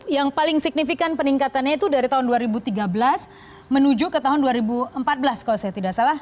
yang paling signifikan peningkatannya itu dari tahun dua ribu tiga belas menuju ke tahun dua ribu empat belas kalau saya tidak salah